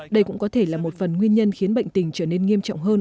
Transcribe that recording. đây cũng có thể là một phần nguyên nhân khiến bệnh tình trở nên nghiêm trọng hơn